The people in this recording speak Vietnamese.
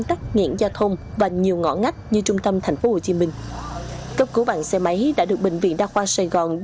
tại vì bệnh viện đa khoa sài gòn